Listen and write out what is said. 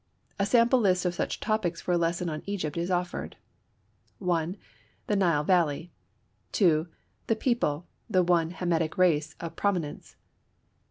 A sample list of such topics for a lesson on Egypt is offered. 1. The Nile Valley. 2. The people; the one Hamitic race of prominence.